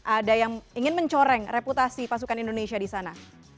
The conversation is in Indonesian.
ada yang ingin mencoreng reputasi pasukan indonesia di sana